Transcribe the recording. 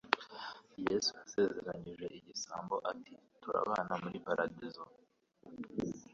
Kristo yasezeranije igisambo ati:« Turabana muri Paradizo".